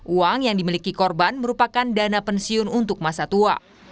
uang yang dimiliki korban merupakan dana pensiun untuk masa tua